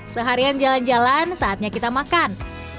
seharian jalan jalan saatnya kita makan